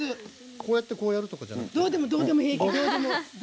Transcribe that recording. こうやってこうやるとかじゃなくて。